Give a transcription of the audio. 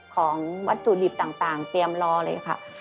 ของวัตถุดิบต่างเตรียมรอเลยค่ะ